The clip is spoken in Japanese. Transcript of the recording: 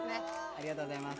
ありがとうございます。